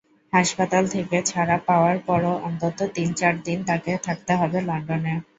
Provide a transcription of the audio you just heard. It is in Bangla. হাসপাতাল থেকে ছাড়া পাওয়ার পরও অন্তত তিন-চার দিন তাঁকে থাকতে হবে লন্ডনে।